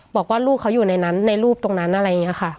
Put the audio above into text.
บอกว่าลูกเขาอยู่ในนั้นในรูปตรงนั้นอะไรอย่างนี้ค่ะ